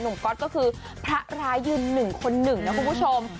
ก๊อตก็คือพระร้ายยืนหนึ่งคนหนึ่งนะคุณผู้ชม